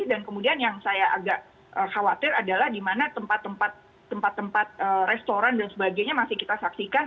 dan kemudian yang saya agak khawatir adalah di mana tempat tempat tempat tempat restoran dan sebagainya masih kita saksikan